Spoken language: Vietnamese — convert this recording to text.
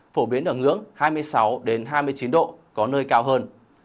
phổ biến ở ngưỡng hai mươi sáu hai mươi chín độ có nơi cao hơn